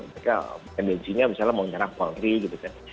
mereka tendensinya misalnya mau nyerang polri gitu kan